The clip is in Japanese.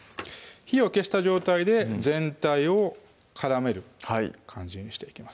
火を消した状態で全体を絡める感じにしていきます